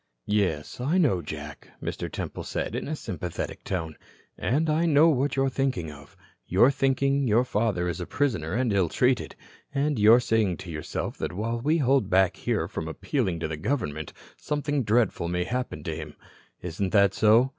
"Yes, I know, Jack," Mr. Temple said in a sympathetic tone, "and I know what you're thinking of. You're thinking your father is a prisoner and ill treated. And you're saying to yourself that while we hold back here from appealing to the government, something dreadful may happen to him. Isn't that so?"